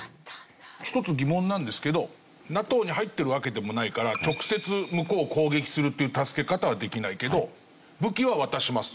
一つ疑問なんですけどＮＡＴＯに入ってるわけでもないから直接向こうを攻撃するっていう助け方はできないけど武器は渡します。